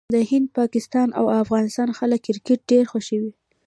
د هند، پاکستان او افغانستان خلک کرکټ ډېر خوښوي.